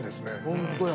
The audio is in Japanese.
ホントや。